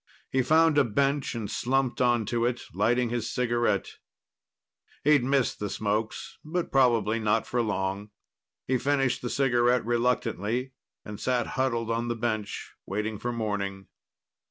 He found a bench and slumped onto it, lighting his cigarette. He'd miss the smokes but probably not for long. He finished the cigarette reluctantly and sat huddled on the bench, waiting for morning.